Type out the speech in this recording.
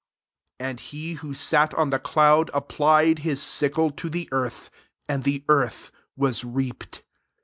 16 And he who sat on the cloud applied his sickle to the earth ; and the earth was reaped.